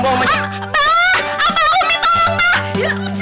pak ummi tolong pak